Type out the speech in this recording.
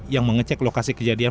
yang mengecek lokasi kejadian